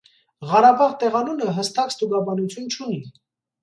«Ղարաբաղ» տեղանունը հստակ ստուգաբանություն չունի։